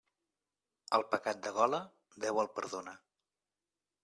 El pecat de gola, Déu el perdona.